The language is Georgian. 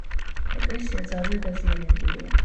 ეკლესია ძალზე დაზიანებულია.